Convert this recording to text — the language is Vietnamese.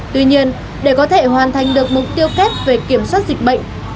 tuy nhiên để có thể hoàn thành được mục tiêu kép về kiểm soát dịch bệnh